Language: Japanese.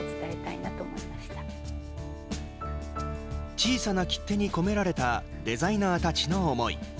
小さな切手に込められたデザイナーたちの思い。